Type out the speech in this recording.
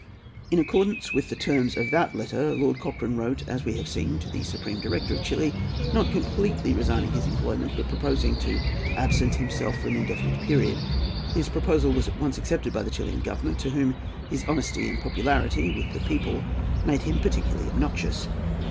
In accordance with the terms of that letter, Lord Cochrane wrote as we have seen to the Supreme Director of Chili, not completely resigning his employment, but proposing to absent himself for an indefinite period. His proposal was at once accepted by the Chilian Government, to whom his honesty and his popularity with the people made him particularly obnoxious.